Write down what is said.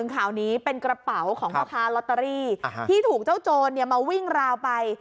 ข่าวนี้เป็นกระเป๋าของพ่อค้าลอตเตอรี่ที่ถูกเจ้าโจรมาวิ่งราวไป